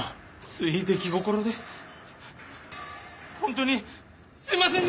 つい出来心でほんとにすみませんでした。